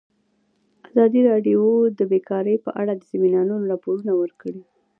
ازادي راډیو د بیکاري په اړه د سیمینارونو راپورونه ورکړي.